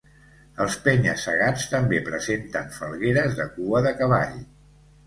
Els penya-segats també presenten falgueres de cua de cavall.